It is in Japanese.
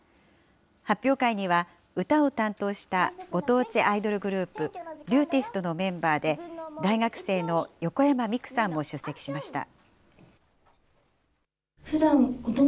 発表会には、歌を担当したご当地アイドルグループ、ＲＹＵＴｉｓｔのメンバーで大学生の横山実郁さんも出席しました。